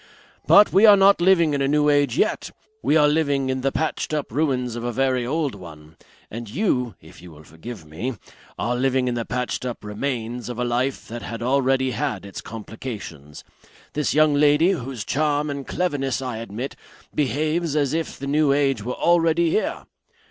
But we are not living in a new age yet; we are living in the patched up ruins of a very old one. And you if you will forgive me are living in the patched up remains of a life that had already had its complications. This young lady, whose charm and cleverness I admit, behaves as if the new age were already here.